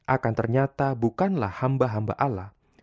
akan ternyata bukanlah hamba hamba allah